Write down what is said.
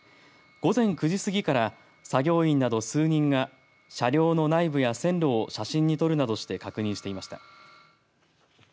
午前９時過ぎから作業員など数人が車両の内部や線路を写真に撮るなどして確認していました。